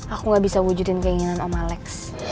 aku gak bisa wujudin keinginan om alex